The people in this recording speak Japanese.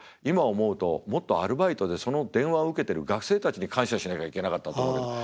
今思うともっとアルバイトでその電話を受けてる学生たちに感謝しなきゃいけなかったって思うけど。